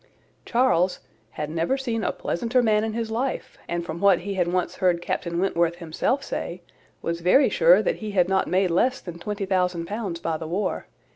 Charles "had never seen a pleasanter man in his life; and from what he had once heard Captain Wentworth himself say, was very sure that he had not made less than twenty thousand pounds by the war.